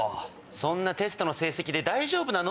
そんなテストの成績で大丈夫なの？